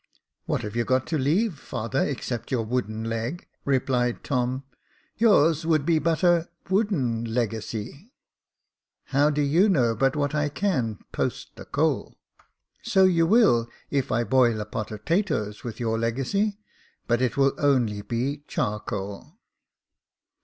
"What have you got to leave, father, except your wooden leg ?" replied Tom. " Your's would be but a •wooden leg acy ."" How do you know but what I can 'post the coal ?'"" So you will, if I boil a pot o' 'tatoes with your legacy — but it will only be char coal."